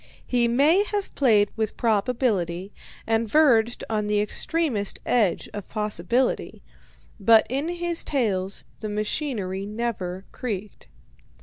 .. He may have played with probability, and verged on the extremest edge of possibility, but in his tales the machinery never creaked.